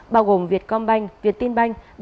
bao gồm vietcombank viettinbank